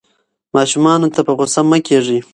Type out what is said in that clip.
ماشومانو ته په غوسه مه کېږئ.